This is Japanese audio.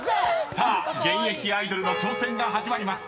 ［さあ現役アイドルの挑戦が始まります。